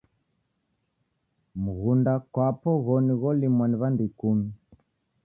Mughunda kwapo ghoni gholimwa ni wandu ikumi